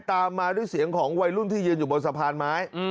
ตามมาด้วยเสียงของวัยรุ่นที่ยืนอยู่บนสะพานไม้